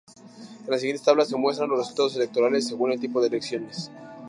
En las siguientes tablas se muestran los resultados electorales según el tipo de elecciones.